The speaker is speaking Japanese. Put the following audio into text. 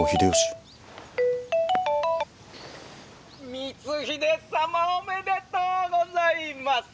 「光秀様おめでとうございます。